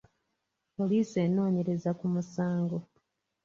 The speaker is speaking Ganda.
Poliisi enoonyereza ku musango.